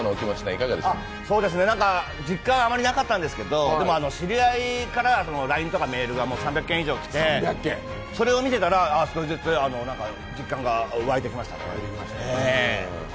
実感、あんまりなかったんですけど知り合いからＬＩＮＥとかメールが３００件以上来て、それを見ていたら少しずつ実感が湧いてきましたね。